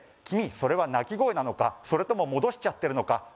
「君それは鳴き声なのかそれとももどしちゃってるのか」